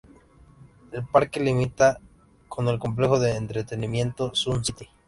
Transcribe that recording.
El parque limita con el complejo de entretenimiento Sun City.